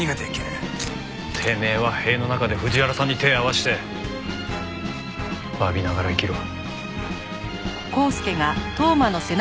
てめえは塀の中で藤原さんに手ぇ合わせて詫びながら生きろ。